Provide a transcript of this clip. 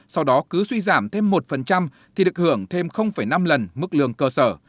sau đó cứ suy giảm thêm một thì được hưởng thêm năm lần mức lương cơ sở